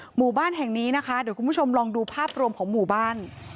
หมู่บ้านแห่งนี้นะคะเดี๋ยวคุณผู้ชมลองดูภาพรวมของหมู่บ้าน